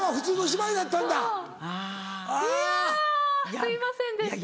すいませんでした。